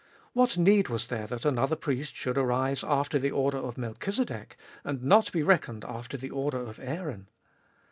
What need was there that another priest should arise after the order of Melchizedek, and not be reckoned after the order of Aaron